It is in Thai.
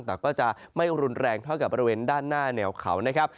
แต่ก็จะไม่รุนแรงเท่ากับบริเวณด้านหน้าแนวเขานะครับ